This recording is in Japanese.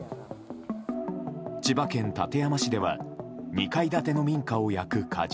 千葉県館山市では２階建ての民家を焼く火事。